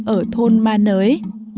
ở thôn ma nới